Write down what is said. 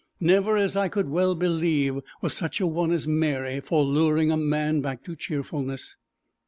Never, as I could well believe, was such a one as Mary for luring a man back to cheerfulness.